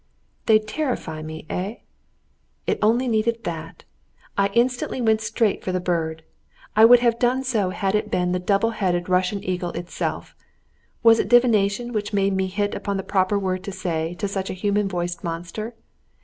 They'd terrify me, eh? It only needed that. I instantly went straight for the bird. I would have done so had it been the double headed Russian eagle itself. Was it divination which made me hit upon the proper word to say to such a human voiced monster?